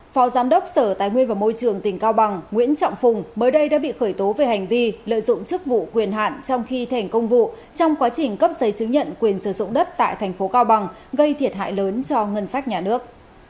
phó giám đốc sở tài nguyên và môi trường tỉnh cao bằng nguyễn trọng phùng mới đây đã bị khởi tố về hành vi lợi dụng chức vụ quyền hạn trong khi thèn công vụ trong quá trình cấp giấy chứng nhận quyền sử dụng đất tại thành phố cao bằng gây thiệt hại lớn cho ngân sách nhà nước